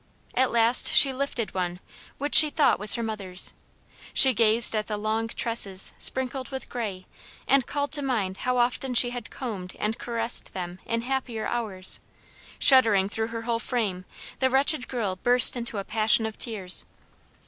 At last she lifted one which she thought was her mother's; she gazed at the long tresses sprinkled with gray and called to mind how often she had combed and caressed them in happier hours: shuddering through her whole frame, the wretched girl burst into a passion of tears.